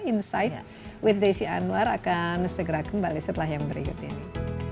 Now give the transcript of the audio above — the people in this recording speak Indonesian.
insight with desi anwar akan segera kembali setelah yang berikut ini